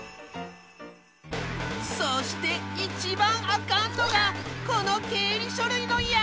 そして一番アカンのがこの経理書類の山！